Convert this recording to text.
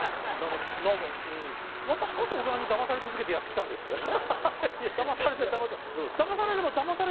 私こそ大人にダマされ続けてやってきたんですけどね。